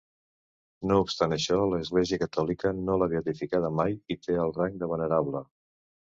No obstant això, l'Església catòlica no l'ha beatificada mai i té el rang de venerable.